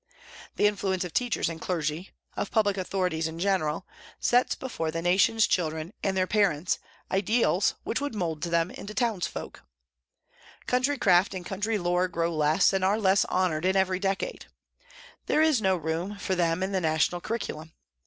The influence of teachers and clergy, of public authorities in general, sets before the nation's children and their parents ideals which mould them into townsfolk. B 2 4 PRISONS AND PRISONERS Country craft and country lore grow less, and are less honoured in every decade. There is no room for them in the national curriculum.